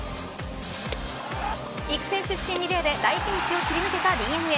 育成出身リレーで大ピンチを切り抜けたＤｅＮＡ。